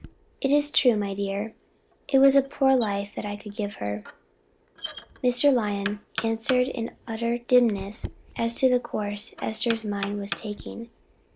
"It is true, my dear; it was a poor life that I could give her." Mr. Lyon answered in utter dimness as to the course Esther's mind was taking.